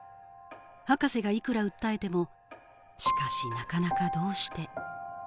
ハカセがいくら訴えてもしかしなかなかどうして。